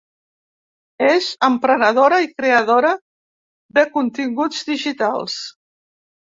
És emprenedora i creadora de continguts digitals.